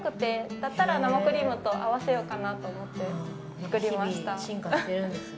だったら生クリームと合わせようかなと思って日々、進化してるんですね。